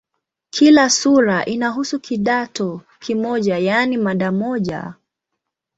Kila sura inahusu "kidato" kimoja, yaani mada moja.